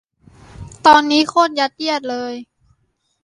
ตอนนี้ โคตรยัดเยียดเลย